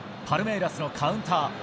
パルメイラスのカウンター。